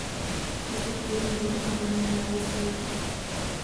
Diese Pläne wurden aber nie realisiert.